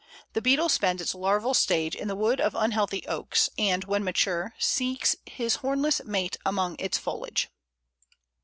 The beetle spends its larval stage in the wood of unhealthy Oaks, and, when mature, seeks his hornless mate among its foliage.